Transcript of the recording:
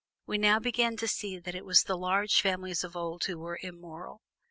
We now begin to see that it was the large families of old which were immoral.